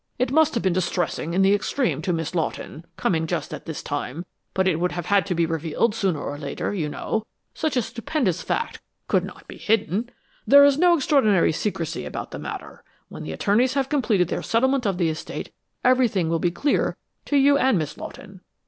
It must have been distressing in the extreme to Miss Lawton, coming just at this time, but it would have had to be revealed sooner or later, you know such a stupendous fact could not be hidden. There is no extraordinary secrecy about the matter. When the attorneys have completed their settlement of the estate, everything will be clear to you and Miss Lawton.